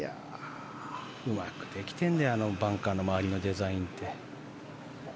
うまくできてるんだよバンカーの周りのデザインって。